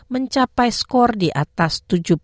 mencapai skor di atas tujuh puluh lima